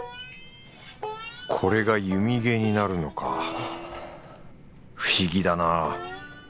これが弓毛になるのか不思議だな。